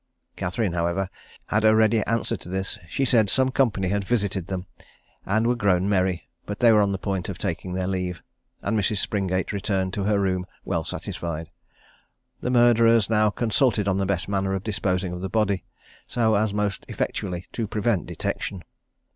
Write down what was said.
Catherine, however, had a ready answer to this: she said some company had visited them, and were grown merry, but they were on the point of taking their leave; and Mrs. Springate returned to her room well satisfied. The murderers now consulted on the best manner of disposing of the body, so as most effectually to prevent detection.